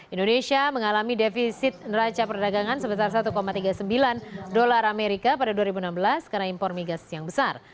indonesia mengalami defisit neraca perdagangan sebesar satu tiga puluh sembilan dolar amerika pada dua ribu enam belas karena impor migas yang besar